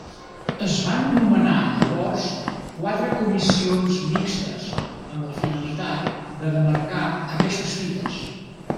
Es van nomenar llavors quatre comissions mixtes amb la finalitat de demarcar aquestes fites.